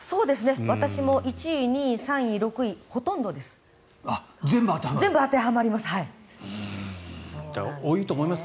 私も１位、２位３位、６位ほとんどです。